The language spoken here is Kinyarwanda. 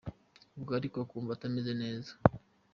Ubwo ariko akumva atameze neza